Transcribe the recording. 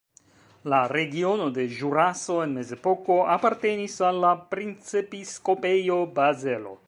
La regiono de Ĵuraso en mezepoko apartenis al la Princepiskopejo Bazelo.